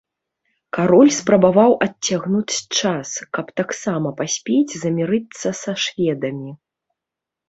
Кароль спрабаваў адцягнуць час, каб таксама паспець замірыцца са шведамі.